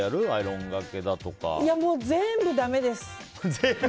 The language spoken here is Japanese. いや、全部だめです。